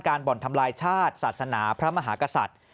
บ่อนทำลายชาติศาสนาพระมหากษัตริย์